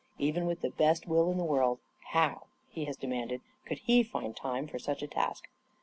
Even with the best will in the world, how, he has demanded, could he find time for such a task